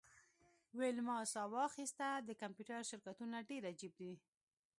ویلما ساه واخیسته د کمپیوټر شرکتونه ډیر عجیب دي